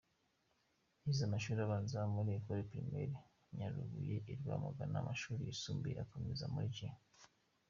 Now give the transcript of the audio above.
Yize amashuri abanza muri Ecole Primaire Nyarubuye i Rwamagana, amashuri yisumbuye ayakomereza muri G.